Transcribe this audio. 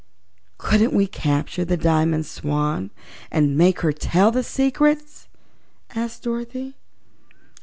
"Couldn't we capture the Diamond Swan and make her tell the secrets?" asked Dorothy.